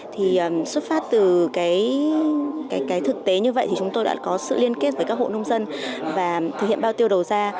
thì xuất phát từ cái thực tế như vậy thì chúng tôi đã có sự liên kết với các hộ nông dân và thực hiện bao tiêu đầu ra